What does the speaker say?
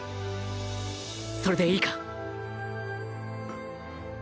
それでいいか？